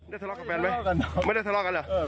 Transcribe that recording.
ทะเลาะกับแฟนไหมไม่ได้ทะเลาะกันเหรอ